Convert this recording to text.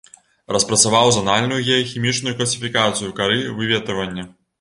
Распрацаваў занальную геахімічную класіфікацыю кары выветрывання.